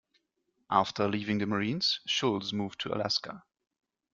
After leaving the Marines, Schulz moved to Alaska.